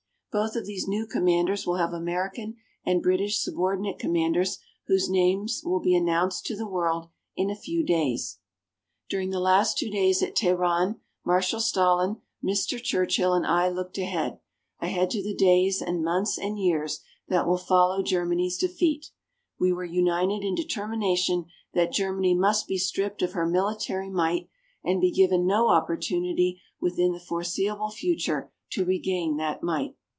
Both of these new Commanders will have American and British subordinate Commanders whose names will be announced to the world in a few days. During the last two days at Teheran, Marshal Stalin, Mr. Churchill and I looked ahead ahead to the days and months and years that will follow Germany's defeat. We were united in determination that Germany must be stripped of her military might and be given no opportunity within the foreseeable future to regain that might.